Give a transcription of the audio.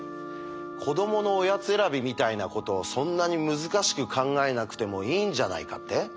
子どものおやつ選びみたいなことをそんなに難しく考えなくてもいいんじゃないかって？